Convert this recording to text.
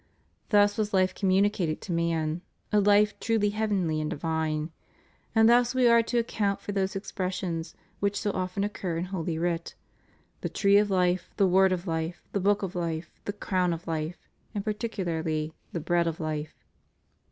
Thus was life communicated to man, a life truly heavenly and divine. And thus we are to account for those expressions which so often occur in Holy Writ: The tree of life, the word of life, the book of life, the crown of life, and particularly the bread of life.